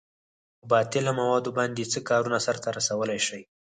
په باطله موادو باندې څه کارونه سرته رسولئ شئ؟